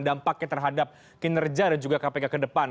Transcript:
dampaknya terhadap kinerja dan juga kpk ke depan